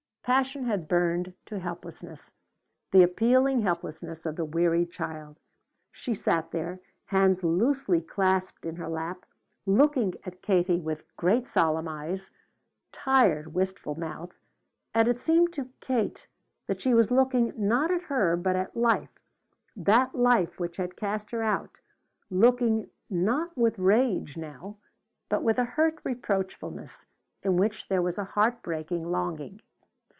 Passion had burned to helplessness, the appealing helplessness of the weary child. She sat there, hands loosely clasped in her lap, looking at Katie with great solemn eyes, tired wistful mouth. And it seemed to Kate that she was looking, not at her, but at life, that life which had cast her out, looking, not with rage now, but with a hurt reproachfulness in which there was a heartbreaking longing.